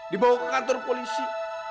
dibawa ke kantor polisi